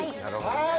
はい。